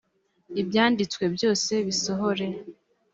ibyanditswe byose bisohore